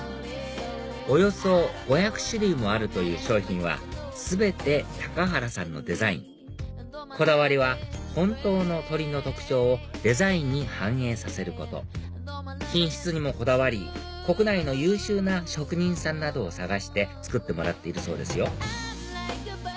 およそ５００種類もあるという商品は全て原さんのデザインこだわりは本当の鳥の特徴をデザインに反映させること品質にもこだわり国内の優秀な職人さんなどを探して作ってもらっているそうですよ